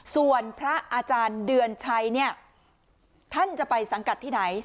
ส่วนพระอาจารย์เดือนชัยเนี่ยท่านจะไปสังกัดที่ไหน